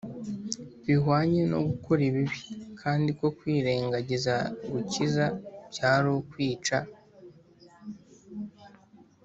bihwanye no gukora ibibi; kandi ko kwirengagiza gukiza byari ukwica